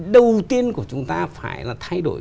đầu tiên của chúng ta phải là thay đổi